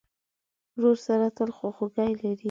ورور سره تل خواخوږی لرې.